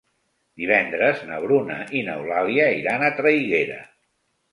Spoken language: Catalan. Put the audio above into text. Divendres na Bruna i n'Eulàlia iran a Traiguera.